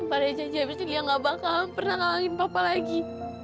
pak raja james delia tidak akan pernah mengalahkan pak lagi